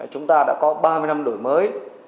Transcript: chúng ta đã có ba mươi năm đổi mới